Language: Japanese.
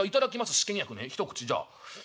試験薬ね一口じゃあ。